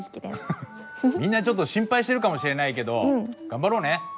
みんなちょっと心配してるかもしれないけど頑張ろうね。